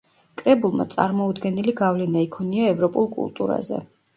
კრებულმა წარმოუდგენელი გავლენა იქონია ევროპულ კულტურაზე.